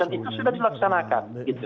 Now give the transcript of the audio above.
dan itu sudah dilaksanakan